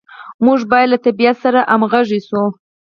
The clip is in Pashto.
موږ باید له طبیعت سره همغږي شو.